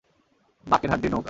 বাকের হাড্ডির নৌকা।